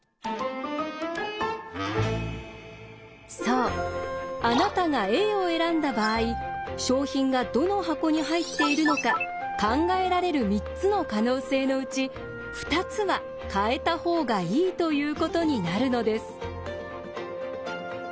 さああなたがＡを選んだ場合賞品がどの箱に入っているのか考えられる３つの可能性のうち２つは変えた方がいいということになるのです。